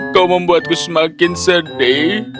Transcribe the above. kau membuatku semakin sedih